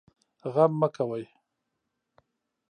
غم مه کوئ